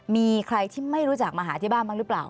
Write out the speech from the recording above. มีใครที่ไม่รู้จักมาหาที่บ้านบ้างหรือเปล่า